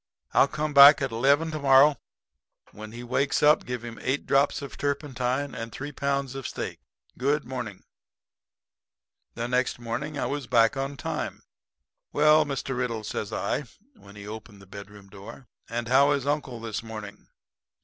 'I'll come back at eleven to morrow. When he wakes up give him eight drops of turpentine and three pounds of steak. Good morning.' "The next morning I was back on time. 'Well, Mr. Riddle,' says I, when he opened the bedroom door, 'and how is uncle this morning?'